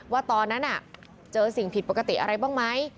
ว่าตอนนั้นเจอสิ่งผิดปกติอะไรบ้างไหม